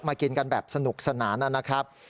กินกันแบบสนุกสนานนะครับ